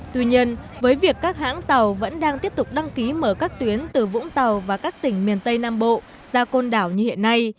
tuy nhiên với việc các hãng tàu vẫn đang tiếp tục đăng ký mở các tuyến từ vũng tàu và các tỉnh miền tây nam bộ ra côn đảo như hiện nay